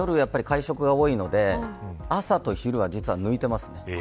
今は夜の会食が多いので朝と昼は実は抜いています。